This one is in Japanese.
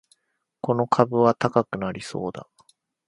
この株は高くなりそうだ